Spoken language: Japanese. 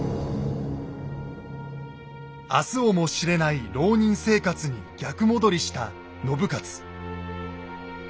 明日をも知れない浪人生活に逆戻りした信雄。